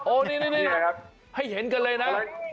นี่ให้เห็นกันเลยนะ